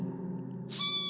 ひい！